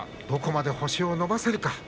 どこまで星を伸ばせるか。